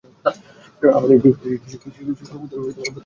আমাদের বিভাগের শিক্ষকদের প্রতিও কৃতজ্ঞতা।